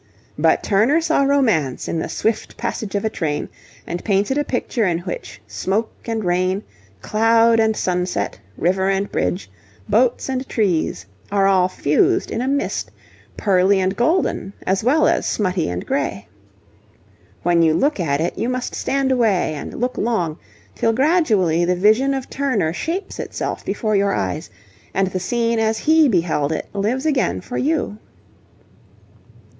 But Turner saw romance in the swift passage of a train, and painted a picture in which smoke and rain, cloud and sunset, river and bridge, boats and trees, are all fused in a mist, pearly and golden as well as smutty and grey. When you look at it, you must stand away and look long, till gradually the vision of Turner shapes itself before your eyes and the scene as he beheld it lives again for you.